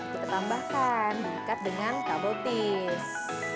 kita tambahkan diikat dengan kabel tis